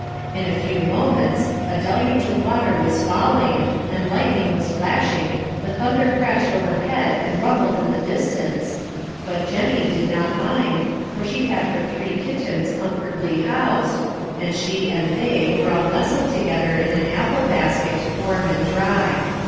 In a few moments a deluge of water was falling, the lightning was flashing, the thunder crashed overhead and rumbled in the distance, but 'Jenny' did not mind, for she had her three kittens comfortably housed, and she and they were all nestled together in an apple basket, warm and dry.